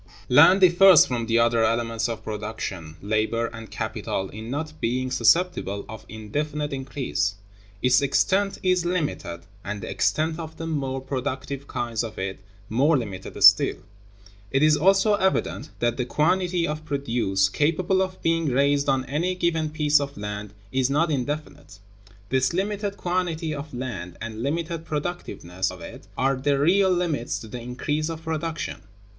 Land differs from the other elements of production, labor, and capital, in not being susceptible of indefinite increase. Its extent is limited, and the extent of the more productive kinds of it more limited still. It is also evident that the quantity of produce capable of being raised on any given piece of land is not indefinite. This limited quantity of land and limited productiveness of it are the real limits to the increase of production.